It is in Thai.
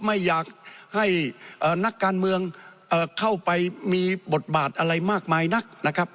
ไม่อยากให้นักการเมืองเข้าไปมีบทบาทอะไรมากมายนักนะครับ